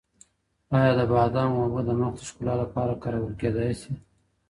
آیا د بادامو اوبه د مخ د ښکلا لپاره کارول کېدای شي؟